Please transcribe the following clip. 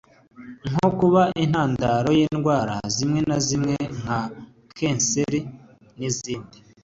nko kuba intandaro y’indwara zimwe na zimwe nka kanseri n’izindi